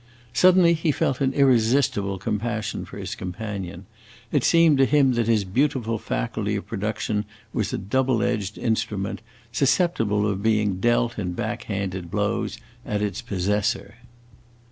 Suddenly he felt an irresistible compassion for his companion; it seemed to him that his beautiful faculty of production was a double edged instrument, susceptible of being dealt in back handed blows at its possessor.